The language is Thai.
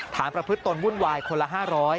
ประพฤติตนวุ่นวายคนละ๕๐๐